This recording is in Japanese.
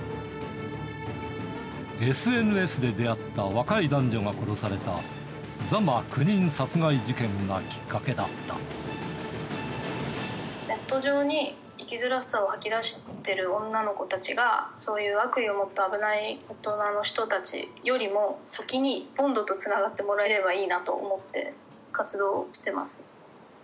ＳＮＳで出会った若い男女が殺された座間９人殺害事件がきっかけネット上に、生きづらさを吐き出している女の子たちが、そういう悪意を持った危ない大人の人たちよりも先にＢＯＮＤとつながってもらえればいいなと思って活動をしてます。